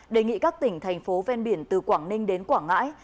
đề nghị các tỉnh thành phố ven biển từ quảng ninh đến quảng ngãi